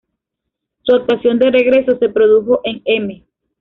Su actuación de regreso se produjo en M!